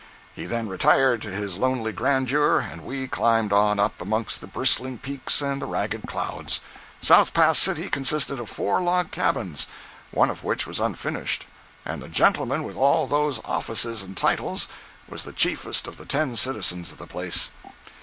He then retired to his lonely grandeur and we climbed on up among the bristling peaks and the ragged clouds. South Pass City consisted of four log cabins, one if which was unfinished, and the gentleman with all those offices and titles was the chiefest of the ten citizens of the place.